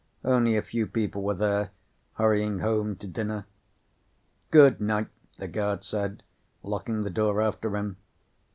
Only a few people were there, hurrying home to dinner. "Good night," the guard said, locking the door after him.